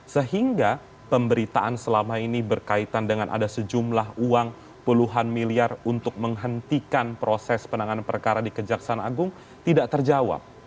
sehingga pemberitaan selama ini berkaitan dengan ada sejumlah uang puluhan miliar untuk menghentikan proses penanganan perkara di kejaksaan agung tidak terjawab